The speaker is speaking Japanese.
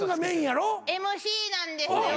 ＭＣなんですよ。